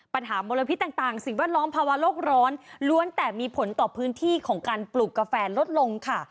มลพิษต่างสิ่งแวดล้อมภาวะโลกร้อนล้วนแต่มีผลต่อพื้นที่ของการปลูกกาแฟลดลงค่ะ